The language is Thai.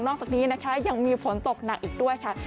อกจากนี้นะคะยังมีฝนตกหนักอีกด้วยค่ะ